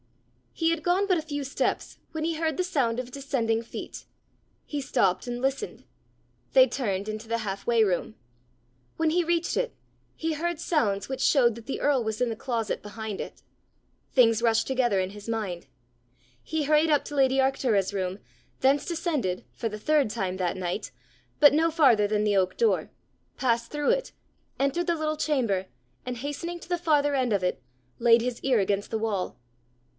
He had gone but a few steps when he heard the sound of descending feet. He stopped and listened: they turned into the half way room. When he reached it, he heard sounds which showed that the earl was in the closet behind it. Things rushed together in his mind. He hurried up to lady Arctura's room, thence descended, for the third time that night but no farther than the oak door, passed through it, entered the little chamber, and hastening to the farther end of it, laid his ear against the wall.